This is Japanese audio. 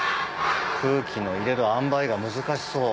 空気の入れるあんばいが難しそう。